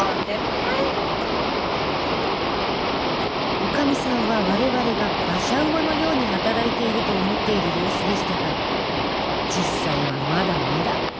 おかみさんは我々が馬車馬のように働いていると思っている様子でしたが実際はまだまだ。